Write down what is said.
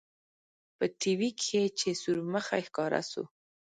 په ټي وي کښې چې سورمخى ښکاره سو.